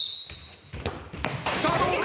さあどうか！？